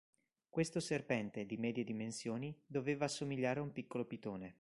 Questo serpente, di medie dimensioni, doveva assomigliare a un piccolo pitone.